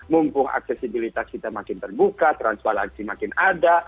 mumpung aksesibilitas kita makin terbuka transparansi makin ada